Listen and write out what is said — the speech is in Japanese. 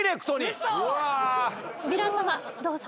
ヴィラン様どうぞ。